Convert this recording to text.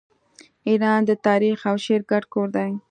ایران د تاریخ او شعر ګډ کور دی.